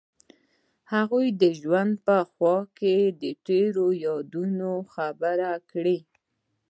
هغوی د ژوند په خوا کې تیرو یادونو خبرې کړې.